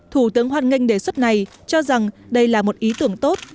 thủ tướng hoan nghênh đề xuất này cho rằng đây là một ý tưởng tốt